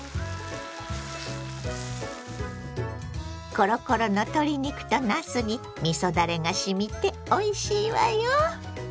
コロコロの鶏肉となすにみそだれがしみておいしいわよ。